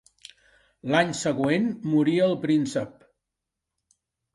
L'any següent moria el príncep.